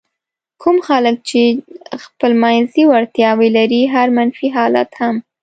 کوم خلک چې خپلمنځي وړتیاوې لري هر منفي حالت هم.